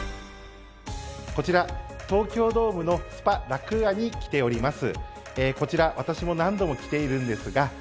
こちら、東京ドームのスパラクーアに来ております。